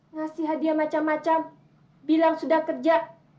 ngasih hadiah macam macam bilang sudah kerja